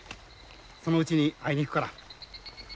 そのうちに会いに行くから。